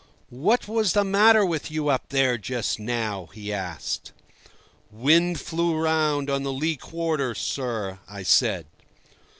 "What was the matter with you up there just now?" he asked. "Wind flew round on the lee quarter, sir," I said.